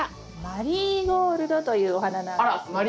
マリーゴールドというお花なんですが。